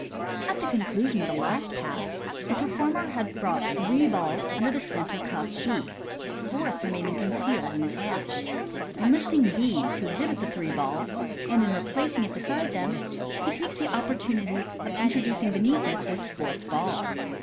— At the conclusion of the last Pass the performer had brought three balls under the centre cup B, a fourth remaining concealed in his hand. In lifting B to exhibit the three balls, and in replacing it beside them, he takes the oppor tunity of introducing beneath it this fourth ball.